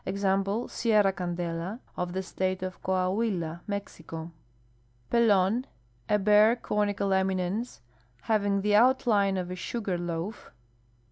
Example, Sierra Candela, of the state of Coahnila, Mexiccj. J^i'lon. — A bare conical eminence, having the <nitline of a sugar loaf.